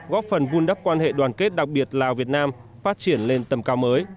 góp phần vun đắp quan hệ đoàn kết đặc biệt lào việt nam phát triển lên tầm cao mới